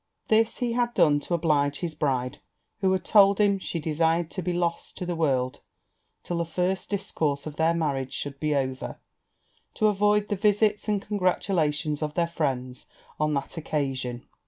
This he had done to oblige his bride, who had told him she desired to be lost to the world till the first discourse of their marriage should be over, to avoid the visits and congratulations of their friends on that occasion.